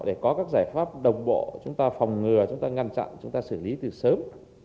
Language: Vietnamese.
để có các giải pháp đồng bộ chúng ta phòng ngừa chúng ta ngăn chặn chúng ta xử lý từ sớm